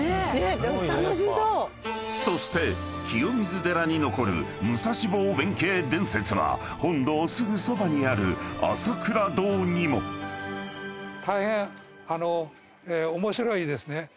［そして清水寺に残る武蔵坊弁慶伝説は本堂すぐそばにある朝倉堂にも］大変面白いですね